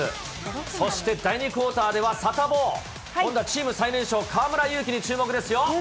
そして第２クオーターではサタボー、今度はチーム最年少、河村勇輝に注目ですよ。